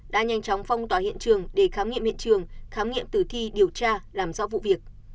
đã nhanh chóng phong tỏa hiện trường để khám nghiệm hiện trường khám nghiệm tử thi điều tra làm rõ vụ việc